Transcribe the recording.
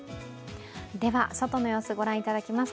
では、外の様子、御覧いただきます。